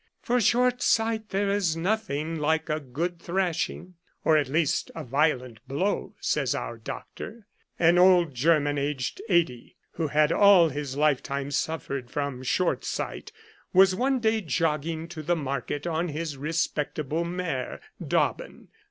For short sight there is nothing like a good thrashing, or at least a violent blow, says our doctor. An old German, aged eighty, who had all his lifetime suffered from short sight, was one day jog ging to market on his respectable mare, Dobbin.